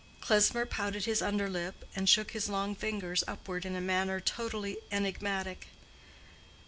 Klesmer pouted his under lip and shook his long fingers upward in a manner totally enigmatic.